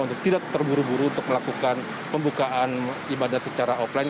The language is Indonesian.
untuk tidak terburu buru untuk melakukan pembukaan ibadah secara offline